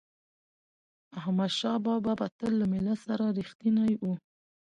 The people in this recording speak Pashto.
احمدشاه بابا به تل له ملت سره رښتینی و.